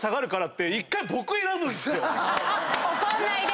怒んないで！